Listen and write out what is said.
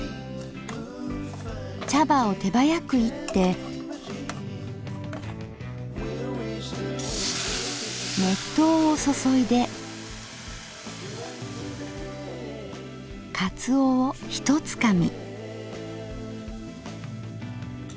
茶葉を手早く炒って熱湯を注いでかつおをひとつかみ。